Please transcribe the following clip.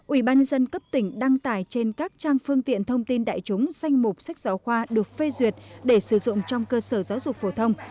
ủy ban dân cấp tỉnh đăng tải trên các trang phương tiện thông tin đại chúng danh mục sách giáo khoa được phê duyệt để sử dụng trong cơ sở giáo dục phổ thông